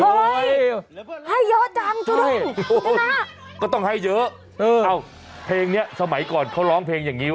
โบราณภาษาเกียร์ได้อีกเลยนะ